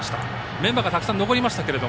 メンバーがたくさん残りましたが。